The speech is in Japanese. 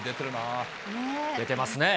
出てますね。